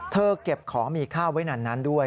เก็บของมีค่าไว้นั้นด้วย